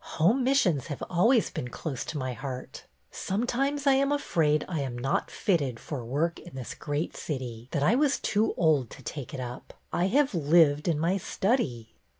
Home Missions have always been close to my heart. Sometimes I am afraid I am not fitted for work in this great city, that I was too old to take it up. I have lived in my study."